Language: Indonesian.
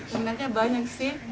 peminatnya banyak sih